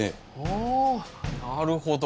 あなるほど。